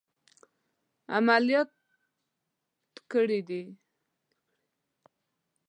عملیات کړي دي.